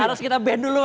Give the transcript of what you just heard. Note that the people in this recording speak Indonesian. harus kita ban duluan ya